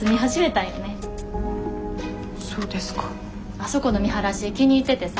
あそこの見晴らし気に入っててさ。